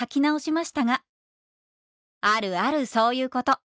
「あるあるそういうこと」。